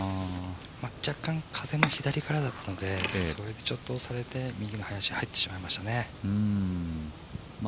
若干、風も左からだったんでそれもあって押されて右の林に入ってしまいましたね。